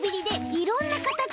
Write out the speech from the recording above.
いろんなかたち？